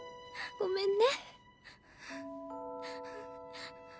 ごめんね。